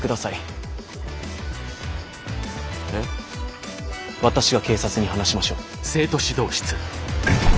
私が警察に話しましょう。